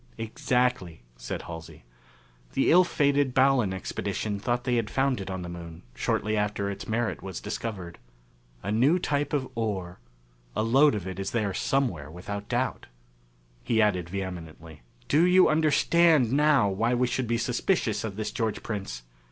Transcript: "Exactly," said Halsey. "The ill fated Ballon Expedition thought they had found it on the Moon, shortly after its merit was discovered. A new type of ore a lode of it is there somewhere, without doubt." He added vehemently, "Do you understand now why we should be suspicious of this George Prince?